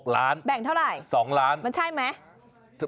๖ล้านบาทมันใช่หมะแบ่งเท่าไร๖ล้าน